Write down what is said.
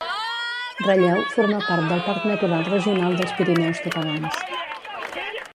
Ralleu forma part del Parc Natural Regional dels Pirineus Catalans.